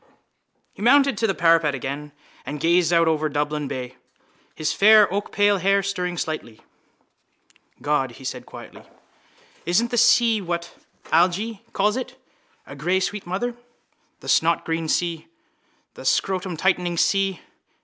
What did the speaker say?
He mounted to the parapet again and gazed out over Dublin bay, his fair oakpale hair stirring slightly. —God! he said quietly. Isn't the sea what Algy calls it: a great sweet mother? The snotgreen sea. The scrotumtightening sea.